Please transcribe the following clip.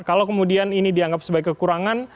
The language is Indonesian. kalau kemudian ini dianggap sebagai kekurangan